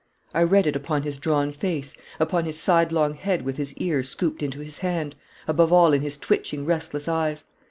I read it upon his drawn face, upon his sidelong head with his ear scooped into his hand, above all in his twitching, restless eyes.